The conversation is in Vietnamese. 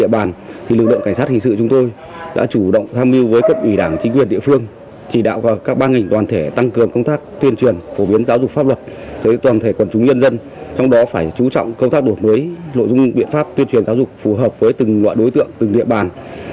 phải chú trọng công tác đột mới nội dung biện pháp tuyên truyền giáo dục phù hợp với từng loại đối tượng từng địa bàn